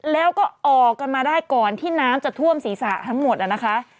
แล้วก็ออกกันมาได้ก่อนที่น้ำจะท่วมศีรษะทั้งหมดนะคะ